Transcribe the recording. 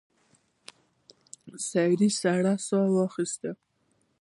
سړي سړه ساه واخیسته.